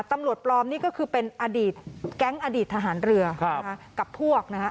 ตำรวจปลอมนี่ก็คือเป็นอดีตแก๊งอดีตทหารเรือกับพวกนะคะ